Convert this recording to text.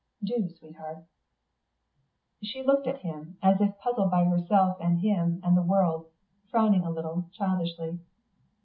"Do, sweetheart." She looked at him, as if puzzled by herself and him and the world, frowning a little, childishly.